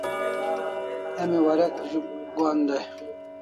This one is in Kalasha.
Emi warek zuk gohan dai